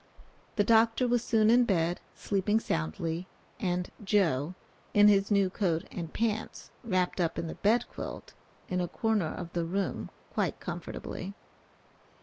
The Dr. was soon in bed, sleeping soundly, and "Joe," in his new coat and pants, wrapped up in the bed quilt, in a corner of the room quite comfortably.